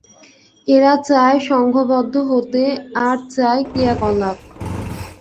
এরা চায় সঙ্ঘবদ্ধ হতে, আর চায় ক্রিয়াকলাপ।